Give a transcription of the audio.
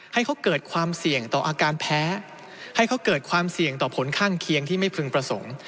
ให้เขาเกิดความเสี่ยงต่ออาการแพ้ให้เขาเกิดความเสี่ยงต่อผลข้างเคียงที่ไม่พึงประสงค์